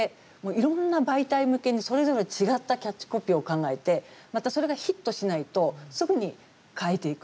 いろんな媒体向けにそれぞれ違ったキャッチコピーを考えてまた、それがヒットしないとすぐに変えていく。